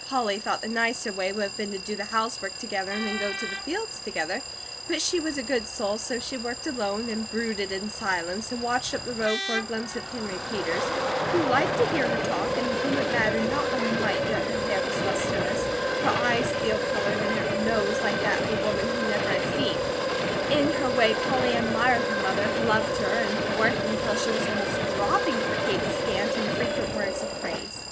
Polly thought the nicer way would have been to do the housework together and then go to the fields together; but she was a good soul, so she worked alone and brooded in silence, and watched up the road for a glimpse of Henry Peters, who liked to hear her talk, and to whom it mattered not a mite that her hair was lustreless, her eyes steel coloured, and her nose like that of a woman he never had seen. In her way, Polly admired her mother, loved her, and worked until she was almost dropping for Kate's scant, infrequent words of praise.